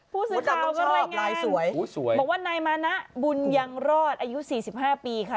พูดสินค้าก็รายงานบอกว่านายมานะบุญยังรอดอายุ๔๕ปีค่ะ